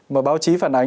mà báo chí phản ánh